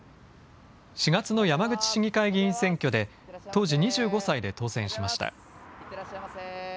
４月の山口市議会議員選挙で当時２５歳で当選しました。